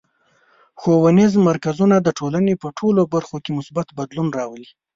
ښوونیز مرکزونه د ټولنې په ټولو برخو کې مثبت بدلون راولي.